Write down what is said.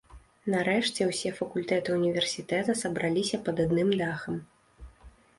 Нарэшце ўсе факультэты ўніверсітэта сабраліся пад адным дахам.